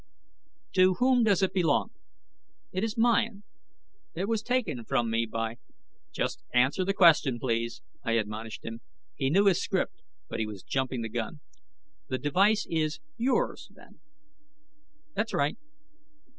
"To whom does it belong?" "It is mine. It was taken from me by " "Just answer the question, please," I admonished him. He knew his script, but he was jumping the gun. "The device is yours, then?" "That's right."